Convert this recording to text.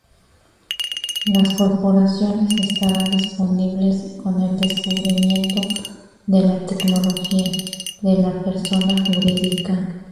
Las corporaciones estarán disponibles con el descubrimiento de la tecnología de la "Persona jurídica".